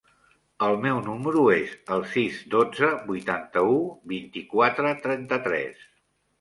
El meu número es el sis, dotze, vuitanta-u, vint-i-quatre, trenta-tres.